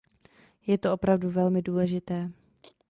Je to opravdu velmi důležité.